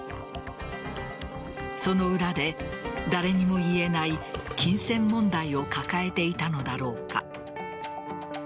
その裏で誰にも言えない金銭問題を抱えていたのだろうか。